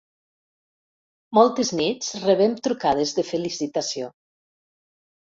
Moltes nits rebem trucades de felicitació.